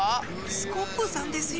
スコップさんですよ。